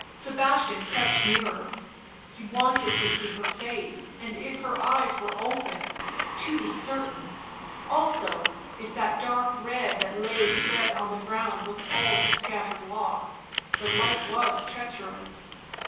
Sebastian crept nearer ; he wanted to see her face and if her eyes were open ; to be certain, also, if that dark red that lay spread on the ground was all her scattered locks ... the light was treacherous.